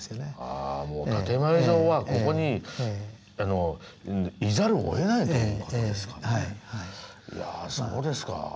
あもう建て前上はここにいざるをえないという事ですかね。